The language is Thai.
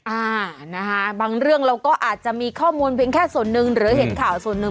อ่านะคะบางเรื่องเราก็อาจจะมีข้อมูลเพียงแค่ส่วนหนึ่งหรือเห็นข่าวส่วนหนึ่ง